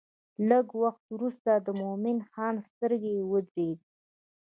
لږ وخت وروسته د مومن خان سترګې ودرېدې.